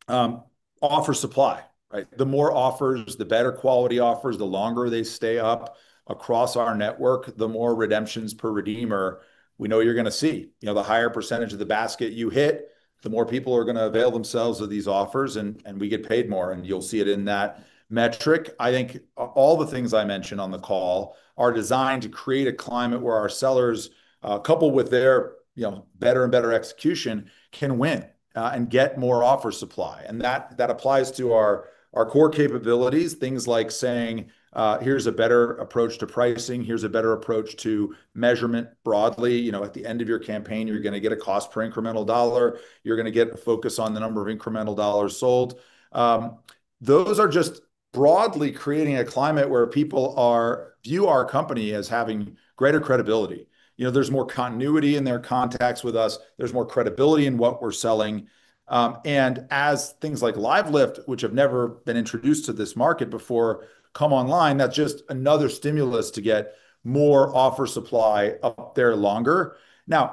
offer supply, right? The more offers, the better quality offers, the longer they stay up across our network, the more redemptions per redeemer we know you're gonna see. You know, the higher percentage of the basket you hit, the more people are gonna avail themselves of these offers, and we get paid more, and you'll see it in that metric. I think all the things I mentioned on the call are designed to create a climate where our sellers, coupled with their, you know, better and better execution, can win and get more offer supply. That applies to our core capabilities. Things like saying, "Here's a better approach to pricing, here's a better approach to measurement broadly." You know, at the end of your campaign, you're gonna get a cost per incremental dollar. You're gonna get a focus on the number of incremental dollars sold. Those are just broadly creating a climate where people view our company as having greater credibility. You know, there's more continuity in their contacts with us. There's more credibility in what we're selling. As things like Live Lift, which have never been introduced to this market before, come online, that's just another stimulus to get more offer supply up there longer.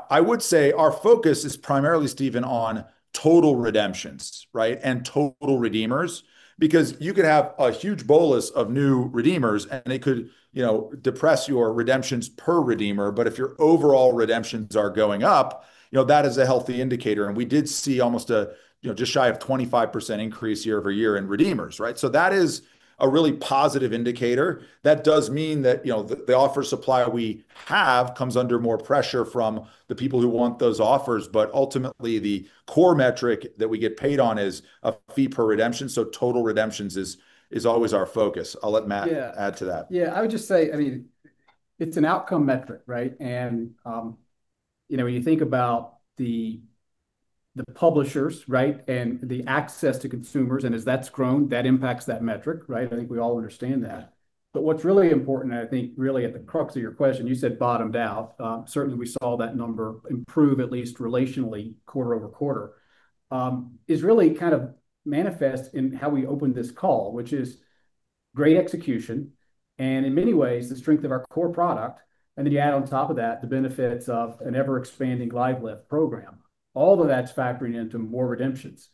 I would say our focus is primarily, Stephen, on total redemptions, right, and total redeemers. Because you could have a huge bolus of new redeemers, and they could, you know, depress your redemptions per redeemer, if your overall redemptions are going up, you know, that is a healthy indicator. We did see almost a, you know, just shy of 25% increase year-over-year in redeemers, right? That is a really positive indicator. That does mean that, you know, the offer supply we have comes under more pressure from the people who want those offers, ultimately, the core metric that we get paid on is a fee per redemption, total redemptions is always our focus. I'll let Matt- Yeah add to that. Yeah, I would just say, I mean, it's an outcome metric, right? You know, when you think about the publishers, right, and the access to consumers, and as that's grown, that impacts that metric, right? I think we all understand that. What's really important, and I think really at the crux of your question, you said bottomed out, is really kind of manifest in how we opened this call, which is great execution and in many ways, the strength of our core product. You add on top of that the benefits of an ever-expanding Live Lift program. All of that's factoring into more redemptions,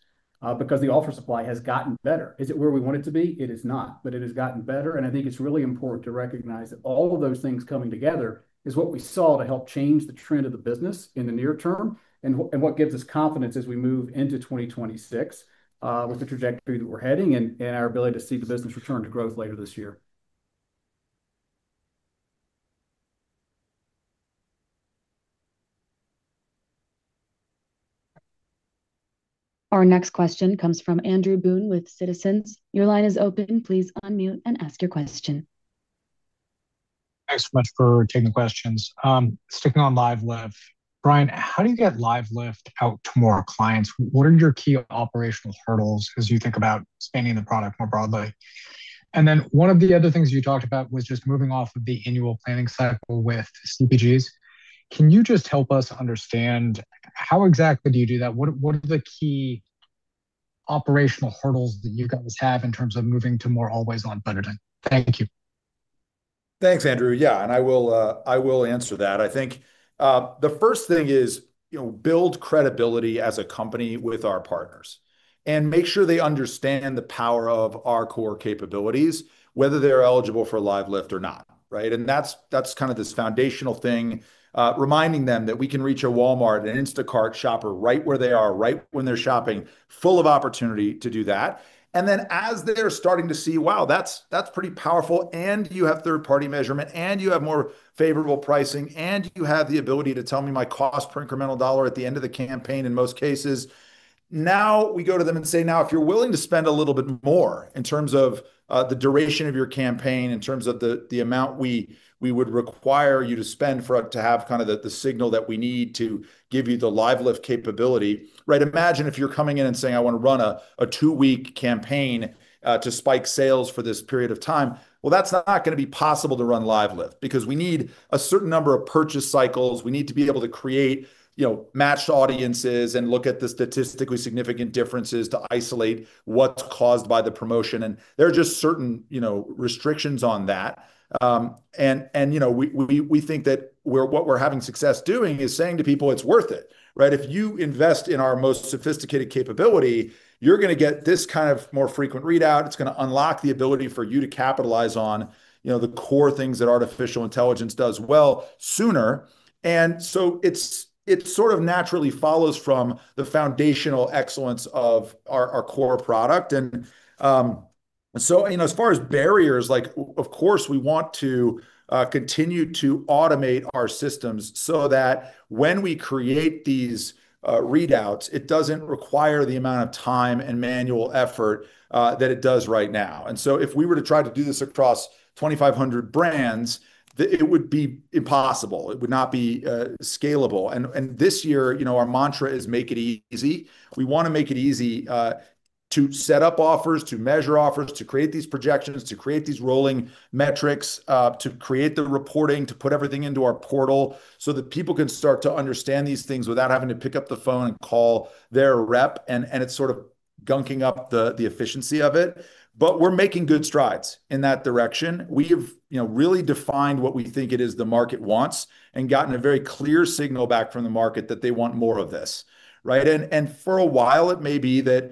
because the offer supply has gotten better. Is it where we want it to be? It is not, but it has gotten better, and I think it's really important to recognize that all of those things coming together is what we saw to help change the trend of the business in the near term, and what gives us confidence as we move into 2026 with the trajectory that we're heading and our ability to see the business return to growth later this year. Our next question comes from Andrew Boone with Citizens. Your line is open. Please unmute and ask your question. Thanks so much for taking the questions. Sticking on Live Lift, Bryan, how do you get Live Lift out to more clients? What are your key operational hurdles as you think about expanding the product more broadly? One of the other things you talked about was just moving off of the annual planning cycle with CPGs. Can you just help us understand how exactly do you do that? What are the key operational hurdles that you guys have in terms of moving to more always-on budgeting? Thank you. Thanks, Andrew. Yeah, I will answer that. I think, you know, the first thing is build credibility as a company with our partners and make sure they understand the power of our core capabilities, whether they're eligible for Live Lift or not, right? That's kind of this foundational thing, reminding them that we can reach a Walmart, an Instacart shopper, right where they are, right when they're shopping, full of opportunity to do that. As they're starting to see, "Wow, that's pretty powerful," and you have third-party measurement, and you have more favorable pricing, and you have the ability to tell me my cost per incremental dollar at the end of the campaign in most cases. Now, we go to them and say, "Now, if you're willing to spend a little bit more in terms of the duration of your campaign, in terms of the amount we would require you to spend for us to have kind of the signal that we need to give you the Live Lift capability." Right? Imagine if you're coming in and saying, "I wanna run a two-week campaign to spike sales for this period of time." Well, that's not gonna be possible to run Live Lift because we need a certain number of purchase cycles. We need to be able to create, you know, matched audiences and look at the statistically significant differences to isolate what's caused by the promotion, and there are just certain, you know, restrictions on that. You know, we think that what we're having success doing is saying to people, "It's worth it," right? "If you invest in our most sophisticated capability, you're gonna get this kind of more frequent readout. It's gonna unlock the ability for you to capitalize on, you know, the core things that artificial intelligence does well sooner." It's, it sort of naturally follows from the foundational excellence of our core product. You know, as far as barriers, like, of course, we want to continue to automate our systems so that when we create these readouts, it doesn't require the amount of time and manual effort that it does right now. If we were to try to do this across 2,500 brands, it would be impossible. It would not be scalable. This year, you know, our mantra is: make it easy. We wanna make it easy to set up offers, to measure offers, to create these projections, to create these rolling metrics, to create the reporting, to put everything into our portal so that people can start to understand these things without having to pick up the phone and call their rep, and it's sort of gunking up the efficiency of it, but we're making good strides in that direction. We have, you know, really defined what we think it is the market wants and gotten a very clear signal back from the market that they want more of this, right? For a while, it may be that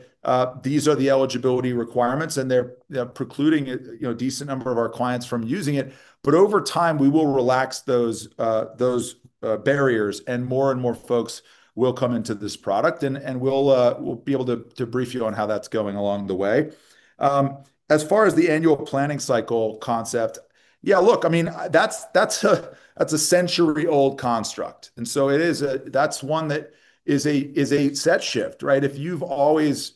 these are the eligibility requirements, and they're precluding, you know, a decent number of our clients from using it, but over time, we will relax those barriers, and more and more folks will come into this product. We'll be able to brief you on how that's going along the way. As far as the annual planning cycle concept, yeah, look, I mean, that's a century-old construct, and so it is a that's one that is a set shift, right? If you've always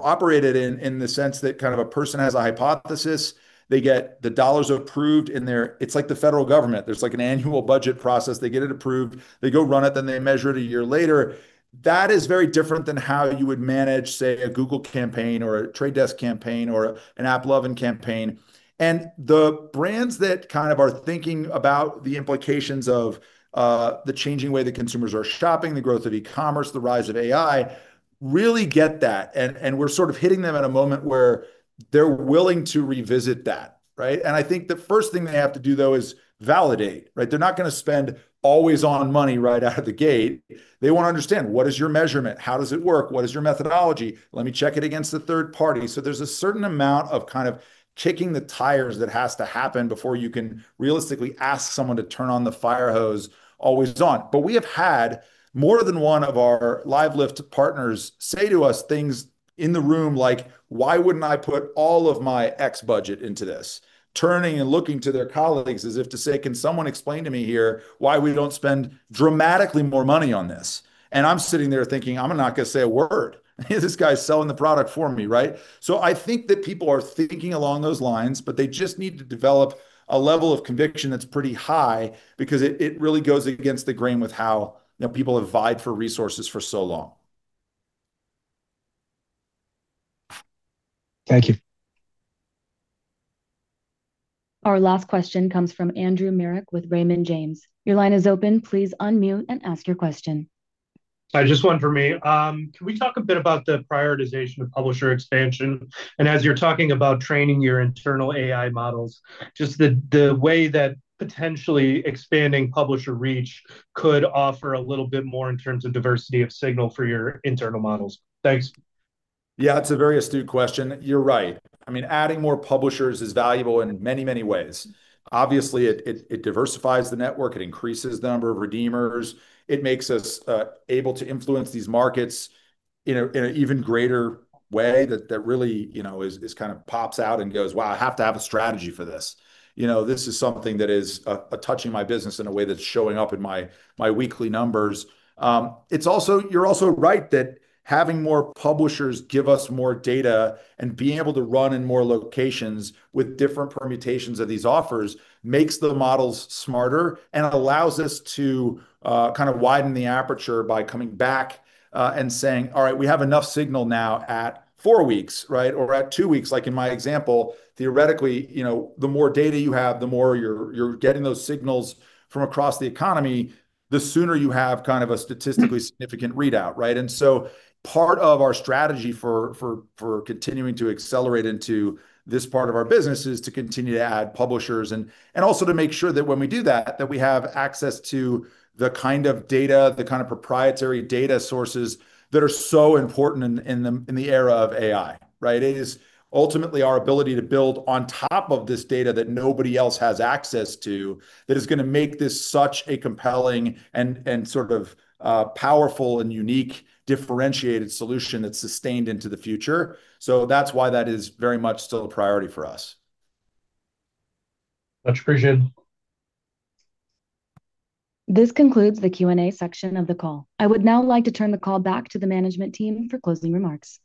operated in the sense that kind of a person has a hypothesis, they get the dollars approved, It's like the federal government. There's, like, an annual budget process. They get it approved, they go run it, then they measure it a year later. That is very different than how you would manage, say, a Google campaign or a The Trade Desk campaign or an AppLovin campaign. The brands that kind of are thinking about the implications of the changing way that consumers are shopping, the growth of e-commerce, the rise of AI, really get that, and we're sort of hitting them at a moment where they're willing to revisit that, right? I think the first thing they have to do, though, is validate, right? They're not gonna spend always-on money right out of the gate. They wanna understand: What is your measurement? How does it work? What is your methodology? Let me check it against a third party. There's a certain amount of kind of kicking the tires that has to happen before you can realistically ask someone to turn on the fire hose always on. We have had more than one of our Live Lift partners say to us things in the room like, "Why wouldn't I put all of my X budget into this?" Turning and looking to their colleagues as if to say, "Can someone explain to me here why we don't spend dramatically more money on this?" I'm sitting there thinking, "I'm not gonna say a word. This guy's selling the product for me," right? I think that people are thinking along those lines, but they just need to develop a level of conviction that's pretty high because it really goes against the grain with how, you know, people have vied for resources for so long. Thank you. Our last question comes from Andrew Marok with Raymond James. Your line is open. Please unmute and ask your question. Hi, just one for me. Can we talk a bit about the prioritization of publisher expansion? As you're talking about training your internal AI models, just the way that potentially expanding publisher reach could offer a little bit more in terms of diversity of signal for your internal models. Thanks. Yeah, it's a very astute question. You're right. I mean, adding more publishers is valuable in many, many ways. Obviously, it diversifies the network, it increases the number of redeemers, it makes us able to influence these markets in an even greater way that really, you know, kind of pops out and goes, "Wow, I have to have a strategy for this. You know, this is something that is touching my business in a way that's showing up in my weekly numbers. You're also right that having more publishers give us more data and being able to run in more locations with different permutations of these offers makes the models smarter, and it allows us to kind of widen the aperture by coming back and saying, "All right, we have enough signal now at four weeks," right? "At two weeks," like in my example. Theoretically, you know, the more data you have, the more you're getting those signals from across the economy, the sooner you have kind of a statistically significant readout, right? Part of our strategy for continuing to accelerate into this part of our business is to continue to add publishers and also to make sure that when we do that we have access to the kind of data, the kind of proprietary data sources that are so important in the era of AI, right? It is ultimately our ability to build on top of this data that nobody else has access to, that is gonna make this such a compelling and sort of powerful and unique, differentiated solution that's sustained into the future. That's why that is very much still a priority for us. Much appreciated. This concludes the Q&A section of the call. I would now like to turn the call back to the management team for closing remarks.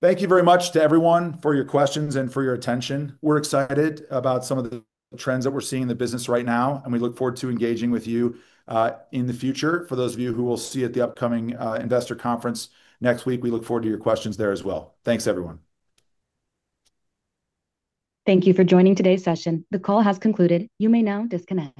Thank you very much to everyone for your questions and for your attention. We're excited about some of the trends that we're seeing in the business right now, and we look forward to engaging with you in the future. For those of you who we'll see at the upcoming investor conference next week, we look forward to your questions there as well. Thanks, everyone. Thank you for joining today's session. The call has concluded. You may now disconnect.